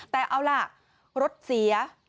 แต่เอาล่ะรถเสียมันซ่อมได้